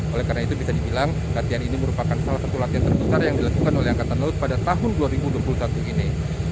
oleh karena itu bisa dibilang latihan ini merupakan salah satu latihan terbesar yang dilakukan oleh angkatan laut pada tahun dua ribu dua puluh satu ini